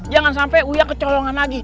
jangan sampai uya kecolongan lagi